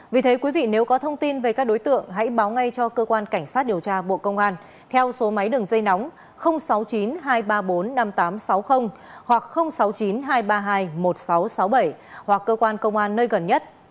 vì thế quý vị nếu có thông tin về các đối tượng hãy báo ngay cho cơ quan cảnh sát điều tra bộ công an theo số máy đường dây nóng sáu mươi chín hai trăm ba mươi bốn năm nghìn tám trăm sáu mươi hoặc sáu mươi chín hai trăm ba mươi hai một nghìn sáu trăm sáu mươi bảy hoặc cơ quan công an nơi gần nhất